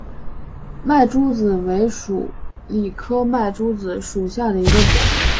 麦珠子为鼠李科麦珠子属下的一个种。